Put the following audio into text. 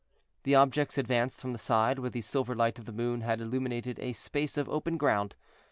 The objects advanced from the side where the silver light of the moon had illuminated a space of open ground.